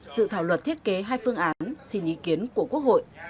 dự thảo luật thiết kế hai phương án xin ý kiến của quốc hội